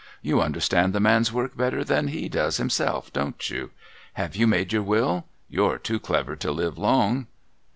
You understand the man's work better than he does himself, don't you ? Have you made your will ? You're too clever to live long.'